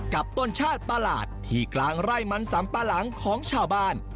กับต้นชาติประหลาดที่กลางไร่มันสำปะหลังของชาวบ้าน